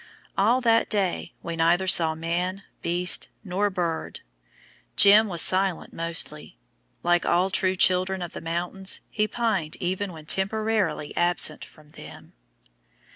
All that day we neither saw man, beast, nor bird. "Jim" was silent mostly. Like all true children of the mountains, he pined even when temporarily absent from them.